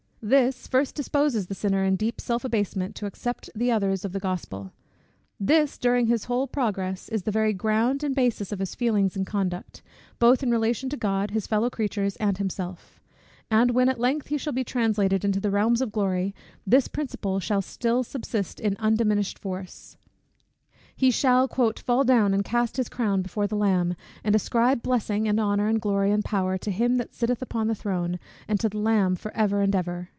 This first disposes the sinner in deep self abasement to accept the others of the Gospel; this, during his whole progress, is the very ground and basis of his feelings and conduct, both in relation to God, his fellow creatures, and himself; and when at length he shall be translated into the realms of glory, this principle shall still subsist in undiminished force: He shall "fall down; and cast his crown before the Lamb; and ascribe blessing, and honour, and glory, and power, to him that sitteth upon the throne, and to the Lamb for ever and ever."